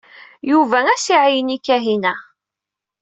Yuba ad as-iɛeyyen i Kahina.